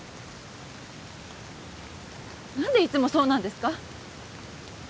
何でいつもそうなんですか？